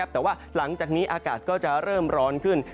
แต่ว่าหลังจากนี้อากาศก็จะเริ่มร้อนขึ้น